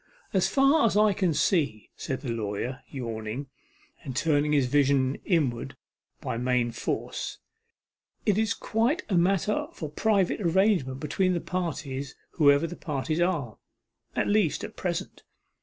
'As far as I can see,' said the lawyer, yawning, and turning his vision inward by main force, 'it is quite a matter for private arrangement between the parties, whoever the parties are at least at present.